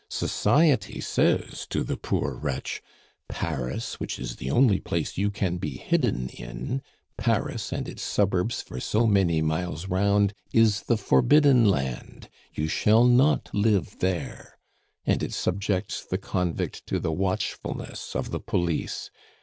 Society says to the poor wretch, 'Paris, which is the only place you can be hidden in; Paris and its suburbs for so many miles round is the forbidden land, you shall not live there!' and it subjects the convict to the watchfulness of the police.